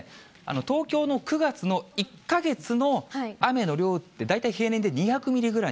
東京の９月の１か月の雨の量って大体平年で２００ミリぐらい